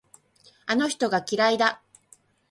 あの人が嫌いだ。